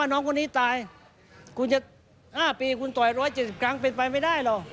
น้องต่อย๑๗๐ครั้งเป็นไปไม่ได้หรอก